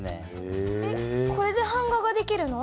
えっこれで版画ができるの？